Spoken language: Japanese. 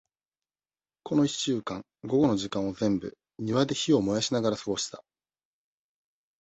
この一週間、午後の時間を全部、庭で火を燃やしながら過ごした。